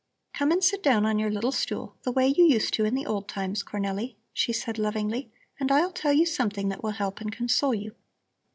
"Come and sit down on your little stool the way you used to in the old times, Cornelli," she said lovingly, "and I'll tell you something that will help and console you.